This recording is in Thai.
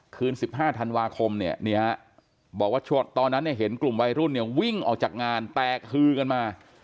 คืน๑๕ธันวาคมเนี่ยบอกว่าตอนนั้นเห็นกลุ่มวัยรุ่นเนี่ยวิ่งออกจากงานแตกฮือกันมา